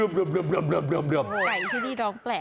ไก่ที่นี่ร้องแปลก